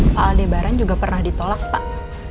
pak aldebaran juga pernah ditolak pak